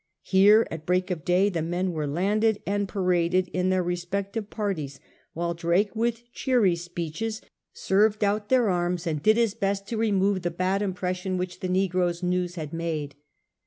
Here at break of day the men were landed, and paraded in their respective parties, while Drake with cheery speeches served out II NOMBRE DE BIOS 25 their arms and did his best to remove the bad im pression which the negroes' news had made.